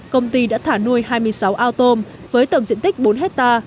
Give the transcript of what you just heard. công ty đã thả nuôi hai mươi sáu ao tôm với tổng diện tích bốn hectare